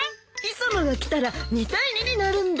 磯野が来たら２対２になるんだ。